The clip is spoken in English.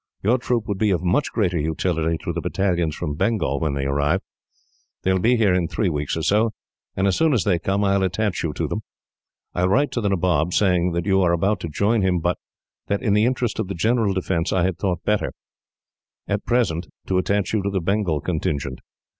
Your troop would be of much greater utility to the battalions from Bengal, when they arrive. They will be here in three weeks or so, and as soon as they come, I will attach you to them. I will write to the Nabob, saying that you were about to join him, but that, in the interest of the general defence, I have thought it better, at present, to attach you to the Bengal contingent.